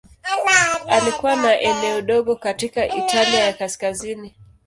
Alikuwa na eneo dogo katika Italia ya Kaskazini.